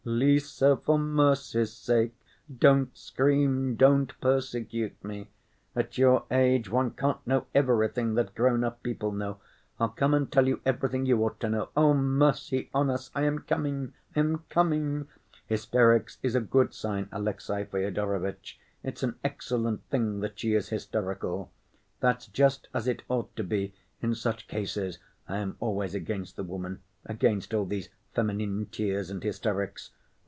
"Lise, for mercy's sake, don't scream, don't persecute me. At your age one can't know everything that grown‐up people know. I'll come and tell you everything you ought to know. Oh, mercy on us! I am coming, I am coming.... Hysterics is a good sign, Alexey Fyodorovitch; it's an excellent thing that she is hysterical. That's just as it ought to be. In such cases I am always against the woman, against all these feminine tears and hysterics.